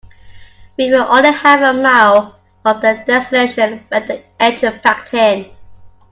We were only half a mile from the destination when the engine packed in.